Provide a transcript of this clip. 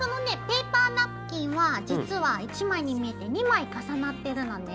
ペーパーナプキンは実は１枚に見えて２枚重なってるのね。